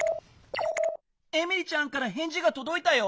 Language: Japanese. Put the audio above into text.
エミリちゃんからへんじがとどいたよ。